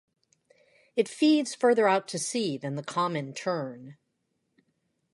It feeds further out to sea than the common tern.